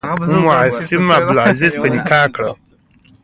ام عاصم عبدالعزیز په نکاح کړه.